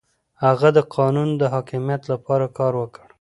هغه د قانون د حاکميت لپاره کار وکړ.